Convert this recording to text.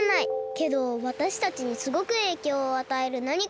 けどわたしたちにすごくえいきょうをあたえるなにか。